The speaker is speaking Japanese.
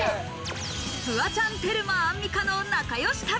フワちゃん、テルマ、アンミカの仲良し旅。